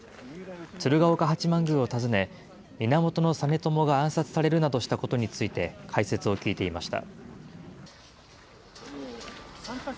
鶴岡八幡宮を訪ね、源実朝が暗殺されるなどしたことについて、解説を聞いていました。